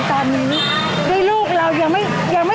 ขอบคุณมากด้วยค่ะพี่ทุกท่านเองนะคะขอบคุณมากด้วยค่ะพี่ทุกท่านเองนะคะ